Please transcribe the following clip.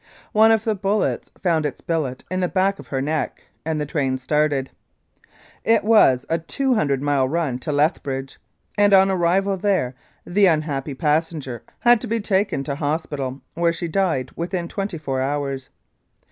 One of the bullets found its billet in the back of her neck, and the train started. It was a 200 mile run to Lethbridge, and on arrival there the unhappy passenger had to be taken to hospital, where she died within twenty four hours.